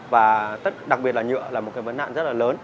và đặc biệt là nhựa là một cái vấn nạn rất là lớn